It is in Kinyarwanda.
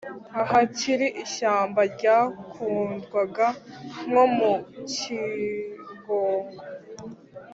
ahakiri ishyamba ryakundwaga nko mu cyingogo